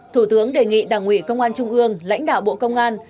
thủ tướng đề nghị đảng ủy công an trung ương lãnh đạo bộ công an